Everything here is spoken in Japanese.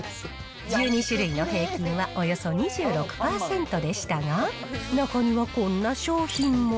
１２種類の平均はおよそ２６％でしたが、中にはこんな商品も。